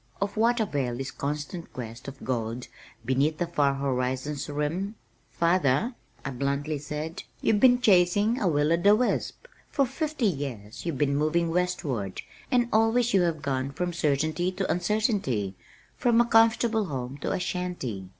Of what avail this constant quest of gold, beneath the far horizon's rim? "Father," I bluntly said, "you've been chasing a will o' the wisp. For fifty years you've been moving westward, and always you have gone from certainty to uncertainty, from a comfortable home to a shanty.